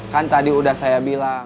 kan tadi udah saya bilang